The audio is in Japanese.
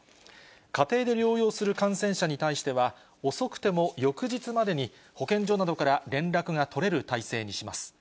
家庭で療養する感染者に対しては、遅くても翌日までに、保健所などから連絡が取れる態勢にします。